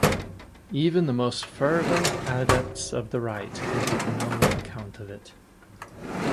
Even the most fervent adepts of the rite can give no account of it.